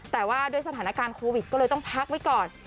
แต่ว่าด้วยสถานการณ์โควิดก็เลยต้องพักไว้ก่อน